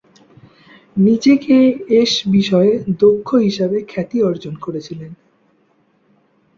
নিজেকে এস বিষয়ে "দক্ষ" হিসাবে খ্যাতি অর্জন করেছিলেন।